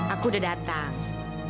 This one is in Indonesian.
aku udah datang